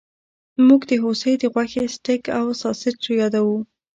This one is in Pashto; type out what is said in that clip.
موږ د هوسۍ د غوښې سټیک او ساسج یادوو